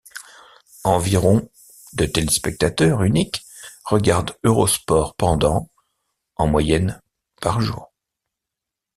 Environ de téléspectateurs uniques regardent Eurosport pendant, en moyenne, par jour.